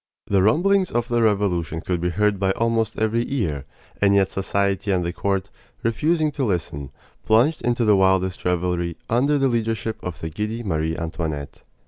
The rumblings of the Revolution could be heard by almost every ear; and yet society and the court, refusing to listen, plunged into the wildest revelry under the leadership of the giddy Marie Antoinette.